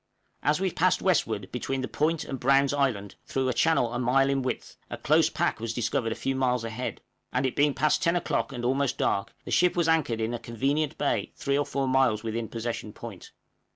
As we passed westward between the point and Browne's Island, through a channel a mile in width, a close pack was discovered a few miles ahead; and it being past ten o'clock, and almost dark, the ship was anchored in a convenient bay three or four miles within Possession Point.